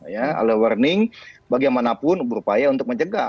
early warning bagaimanapun berupaya untuk mencegah